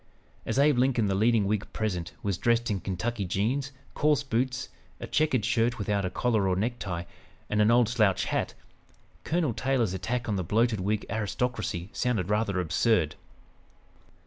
As Abe Lincoln, the leading Whig present, was dressed in Kentucky jeans, coarse boots, a checkered shirt without a collar or necktie, and an old slouch hat, Colonel Taylor's attack on the "bloated Whig aristocracy" sounded rather absurd.